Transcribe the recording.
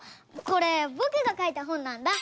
これぼくがかいた本なんだ！